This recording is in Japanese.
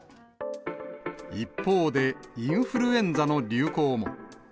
一方で、インフルエンザの流行も。